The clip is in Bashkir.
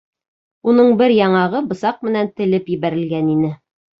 Уның бер яңағы бысаҡ менән телеп ебәрелгән ине.